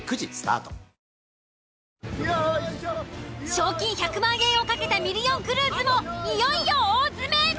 賞金１００万円を懸けたミリオンクルーズもいよいよ大詰め！